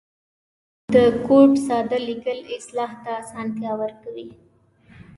د کوډ ساده لیکل اصلاح ته آسانتیا ورکوي.